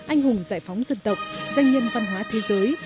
anh hùng giải phóng dân tộc danh nhân văn hóa thế giới